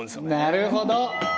なるほど！